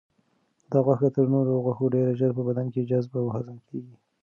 دا غوښه تر نورو غوښو ډېر ژر په بدن کې جذب او هضم کیږي.